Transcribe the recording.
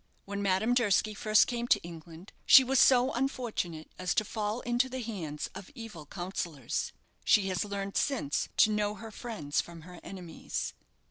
When Madame Durski first came to England she was so unfortunate as to fall into the hands of evil counsellors. She has learned since to know her friends from her enemies."